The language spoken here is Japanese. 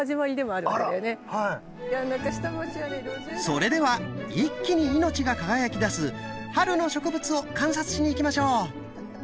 それでは一気に命が輝きだす春の植物を観察しに行きましょう！